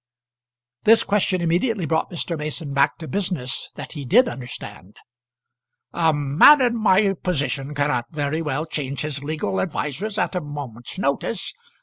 This question immediately brought Mr. Mason back to business that he did understand. "A man in my position cannot very well change his legal advisers at a moment's notice.